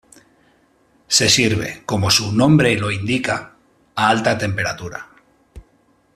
Se sirve, como su nombre lo indica, a alta temperatura.